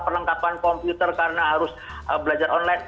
perlengkapan komputer karena harus belajar online